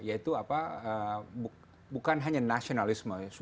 yaitu bukan hanya nasionalisme